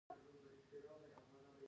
د ب ډله دې لاندې جملې ته انکشاف ورکړي.